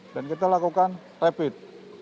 dan kita lakukan rapid